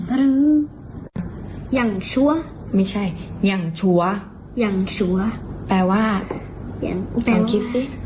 ไปไป